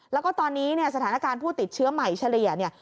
แล้วก็ตอนนี้สถานการณ์ผู้ติดเชื้อใหม่เฉลี่ย